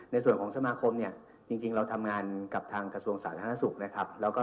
ในส่วนของสมาคมเนี่ยจริงเราทำงานกับทางกระทรวงสาธารณสุขนะครับ